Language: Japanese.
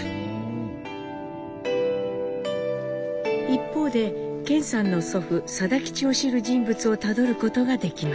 一方で顕さんの祖父定吉を知る人物をたどることができました。